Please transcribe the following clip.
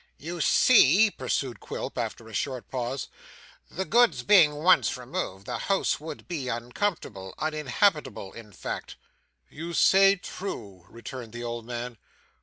'You see,' pursued Quilp after a short pause, 'the goods being once removed, this house would be uncomfortable; uninhabitable in fact.' 'You say true,' returned the old man.